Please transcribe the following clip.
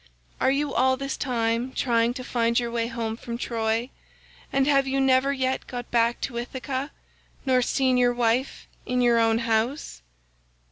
Are you all this time trying to find your way home from Troy, and have you never yet got back to Ithaca nor seen your wife in your own house?